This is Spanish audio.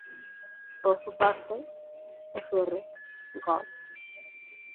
Por su parte, fr.